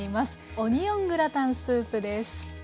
オニオングラタンスープです。